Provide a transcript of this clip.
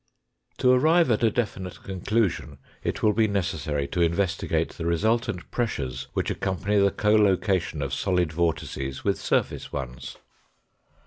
To arrive at a definite conclusion it will be necessary to investigate the resultant pressures which accompany the collocation of solid vortices with surface ones.